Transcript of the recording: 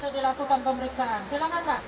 untuk dilakukan pemeriksaan silahkan pak